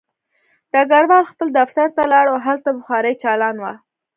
ډګروال خپل دفتر ته لاړ او هلته بخاري چالان وه